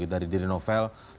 tentang kemungkinan laporan palsu